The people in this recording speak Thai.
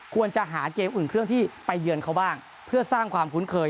ควรจะหาเกมอื่นเครื่องที่ไปเยือนเขาบ้างเพื่อสร้างความคุ้นเคย